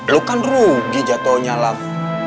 lu kan rugi jatohnya lam